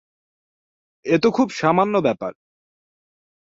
এ তো খুব সামান্য ব্যাপার।